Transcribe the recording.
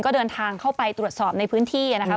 ก็เดินทางเข้าไปตรวจสอบในพื้นที่นะครับ